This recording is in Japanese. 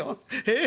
ええ？